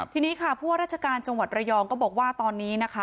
ทีนี้ค่ะผู้ว่าราชการจังหวัดระยองก็บอกว่าตอนนี้นะคะ